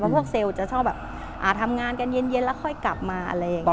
พวกเซลล์จะชอบแบบทำงานกันเย็นแล้วค่อยกลับมาอะไรอย่างนี้